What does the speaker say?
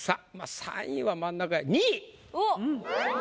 ３位は真ん中や２位！